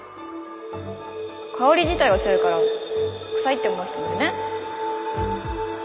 香り自体が強いからくさいって思う人もいるね。